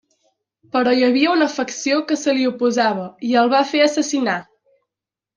Però hi havia una facció que se li oposava i el va fer assassinar.